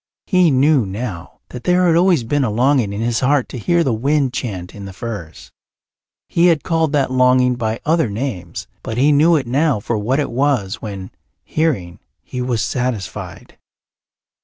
He knew now that there had always been a longing in his heart to hear the wind chant in the firs. He had called that longing by other names, but he knew it now for what it was when, hearing, he was satisfied.